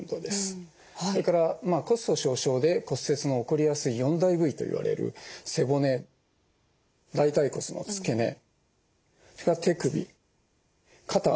それから骨粗しょう症で骨折が起こりやすい４大部位といわれる背骨大腿骨の付け根手首肩の骨を鍛える運動です。